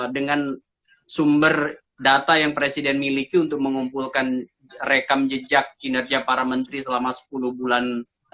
dengan sumber data yang presiden miliki untuk mengumpulkan rekam jejak kinerja para menteri selama sepuluh bulan